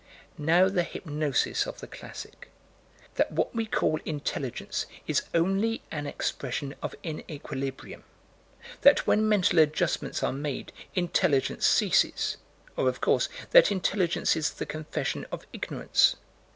Now the hypnosis of the classic that what we call intelligence is only an expression of inequilibrium; that when mental adjustments are made, intelligence ceases or, of course, that intelligence is the confession of ignorance.